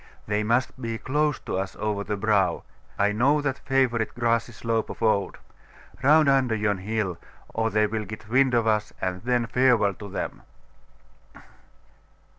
They must be close to us over the brow. I know that favourite grassy slope of old. Round under yon hill, or they will get wind of us, and then farewell to them!